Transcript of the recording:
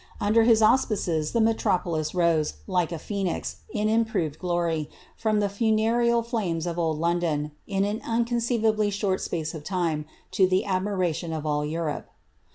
Under his auspices the metropolis rose, like a pha'uix, in improved glor}*, from the funereal flames of old London, is an inconceivably short space of time, to the admiration of all Europe.